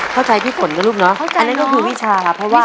เข้าใจพี่ฝนนะลูกเนอะ